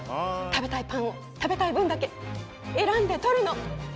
食べたいパンを食べたい分だけ選んで取るの！